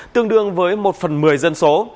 tương đương với một phần một mươi dân số